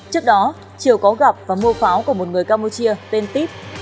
trước đó triều có gặp và mua pháo của một người campuchia tên